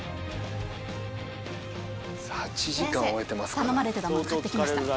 先生頼まれてたもの買ってきました。